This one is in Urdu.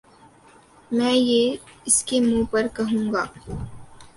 میں یہ اسکے منہ پر کہوں گا